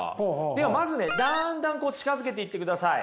ではまずねだんだんこう近づけていってください。